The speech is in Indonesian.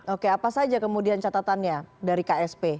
oke apa saja kemudian catatannya dari ksp